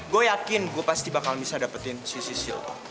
gue yakin gue pasti bakal bisa dapetin si sisil